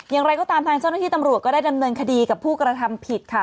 อย่างไรก็ตามทางเจ้าหน้าที่ตำรวจก็ได้ดำเนินคดีกับผู้กระทำผิดค่ะ